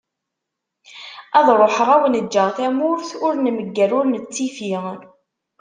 Ad ruḥeγ ad awen-ğğeγ tamurt ur nmegger ur nettifi.